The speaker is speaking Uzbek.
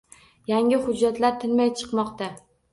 Yangi hujjatlar tinmay chiqmoqda.